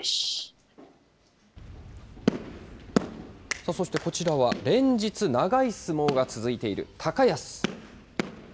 さあそして、こちらは連日、長い相撲が続いている高安。